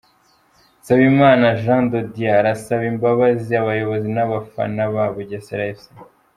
Nsabimana Jean de Dieu arasaba imbabazi abayobozi n'abafana ba Bugesera Fc .